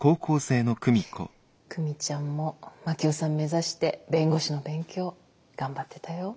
久美ちゃんも真樹夫さん目指して弁護士の勉強頑張ってたよ。